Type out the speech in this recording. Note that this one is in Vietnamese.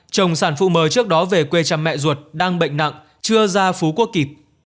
chồng sản phụ mờ trước đó về quê cha mẹ ruột đang bệnh nặng chưa ra phú quốc kịp